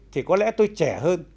thì có lẽ tôi trẻ hơn